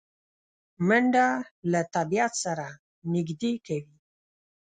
منډه له طبیعت سره نږدې کوي